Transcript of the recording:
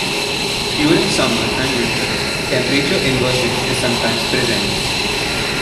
During summer and winter temperature inversion is sometimes present.